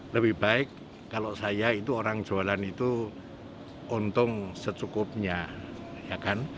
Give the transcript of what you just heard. lebih baik kalau saya itu orang jualan itu untung secukupnya ya kan